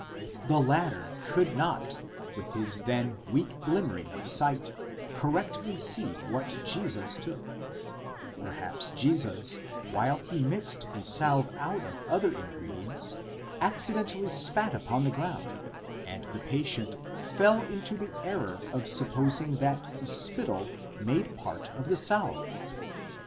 The latter could not: with his then weak glimmering of sight, correctly see what Jesus took : perhaps Jesus while he mixed a salve out of other ingredients accidentally spat upon the ground, and the patient fell into the error of supposing that the spittle made part of the salve.